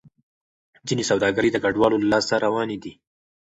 ځینې سوداګرۍ د کډوالو له لاسه روانې دي.